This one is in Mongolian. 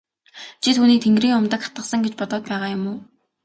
Чи түүнийг тэнгэрийн умдаг атгасан гэж бодоод байгаа юм уу?